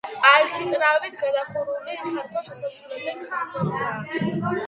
არქიტრავით გადახურული ფართო შესასვლელი სამხრეთითაა.